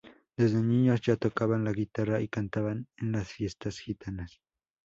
Desde niños ya tocaban la guitarra y cantaban en las fiestas gitanas.